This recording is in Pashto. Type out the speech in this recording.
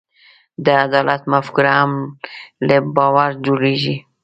د عدالت مفکوره هم له باور جوړېږي.